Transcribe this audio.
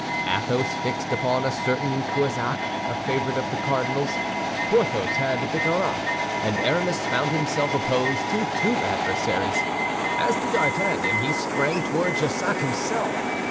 Athos fixed upon a certain Cahusac, a favorite of the cardinal's. Porthos had Bicarat, and Aramis found himself opposed to two adversaries. As to D'Artagnan, he sprang toward Jussac himself.